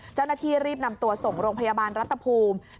เจ้าหน้าที่รีบนำตัวส่งโรงพยาบาลรัฐภูมิ